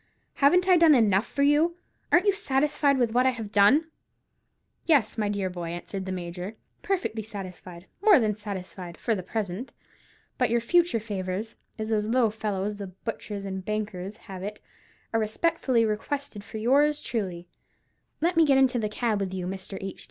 Haven't I done enough for you? Ain't you satisfied with what I have done?" "Yes, dear boy," answered the Major, "perfectly satisfied, more than satisfied—for the present. But your future favours—as those low fellows, the butchers and bakers, have it—are respectfully requested for yours truly. Let me get into the cab with you, Mr. H.